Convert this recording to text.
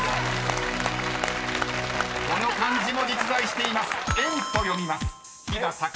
［この漢字も実在しています］